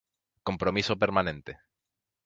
Compromiso permanente.